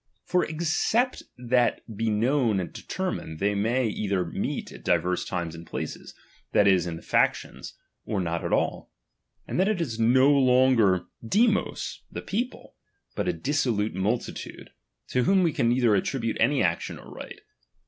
For except that be known and detei'mined, they may either meet at divers times and places, that is, in factions, or not at all ; and then it is no longer Siifioc, the people, but a dissolute multitude, to whom we can neither attribute any action or right.